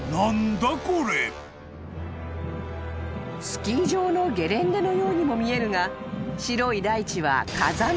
［スキー場のゲレンデのようにも見えるが白い大地は］